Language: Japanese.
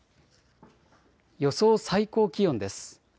予想最高気温です。